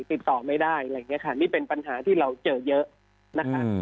ติดต่อไม่ได้อะไรอย่างนี้ค่ะนี่เป็นปัญหาที่เราเจอเยอะนะคะ